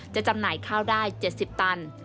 จำหน่ายข้าวได้๗๐ตัน